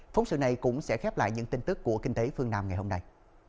phóng sự này cũng sẽ khép lại những tin tức của kinh tế phương nam ngày hôm nay